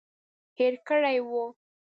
هېر کړي وو.